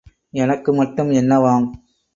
எனக்கு மட்டும் என்னவாம்?